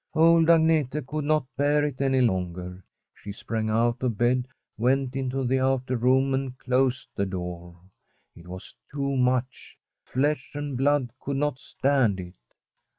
Old Agnete could not bear it any longer. She sprang out of bed, went into the outer room and closed the door. It was too much; flesh and blood could not stand it.